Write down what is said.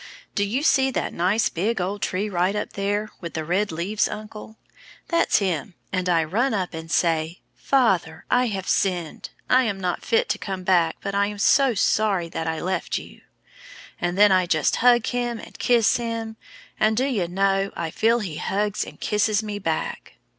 Do you see that nice big old tree right up there with the red leaves, uncle? That's him, and I run up and say, 'Father, I have sinned; I am not fit to come back, but I am so sorry that I left you,' and then I just hug him and kiss him; and, do you know, I feel he hugs and kisses me back.